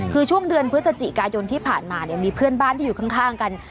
คือช่วงเดือนพฤศจิกายนที่ผ่านมาเนี่ยมีเพื่อนบ้านที่อยู่ข้างกัน